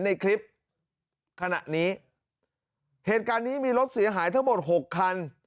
ในคลิปขณะนี้เหตุการณ์นี้มีรถเสียหายทั้งหมดหกคัน